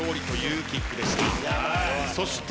そして。